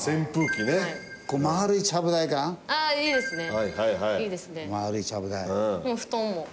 あっいいですね。